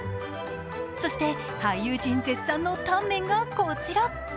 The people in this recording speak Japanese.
そして俳優陣絶賛のタンメンがこちら。